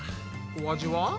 お味は？